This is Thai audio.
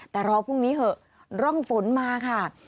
แต่รอพรุ่งนี้เถอะร่องฝนมาค่ะ